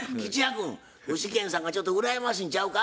君具志堅さんがちょっと羨ましいんちゃうか？